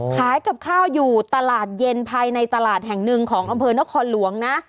ขายกับข้าวอยู่ตลาดเย็นภายในตลาดแห่งหนึ่งของอำเภอนครหลวงนะ